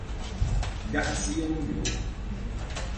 Garcia olhou: